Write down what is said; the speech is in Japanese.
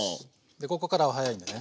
でここからは速いんでね